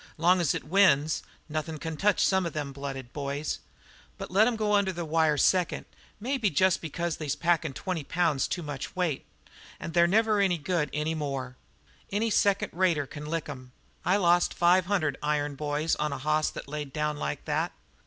Long as it wins nothin' can touch some of them blooded boys. But let 'em go under the wire second, maybe jest because they's packing twenty pounds too much weight, and they're never any good any more. Any second rater can lick 'em. I lost five hundred iron boys on a hoss that laid down like that."